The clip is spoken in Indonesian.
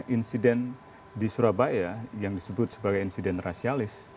insiden di surabaya yang disebut sebagai insiden rasialis